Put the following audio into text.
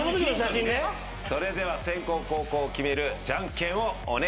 それでは先攻後攻を決めるジャンケンをお願いします。